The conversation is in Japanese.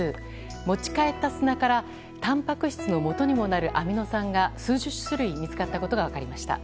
持ち帰った砂からたんぱく質のもとにもなるアミノ酸が数十種類見つかったことが分かりました。